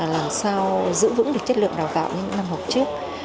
làm sao giữ vững được chất lượng đào tạo như những năm học trước